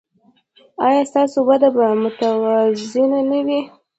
ایا ستاسو وده به متوازنه نه وي؟